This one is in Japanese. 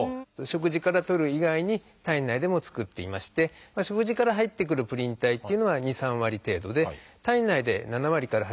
食事からとる以外に体内でも作っていまして食事から入ってくるプリン体っていうのは２３割程度で体内で７割から